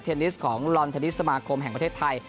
นิสของลอนเทนนิสสมาคมแห่งประเทศไทย